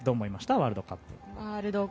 ワールドカップ。